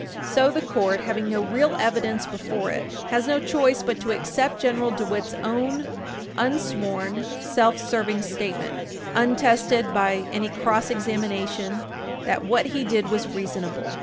So the Court, having no real evidence before it, has no choice but to accept General DeWitt's own unsworn, self serving statement, untested by any cross examination, that what he did was reasonable.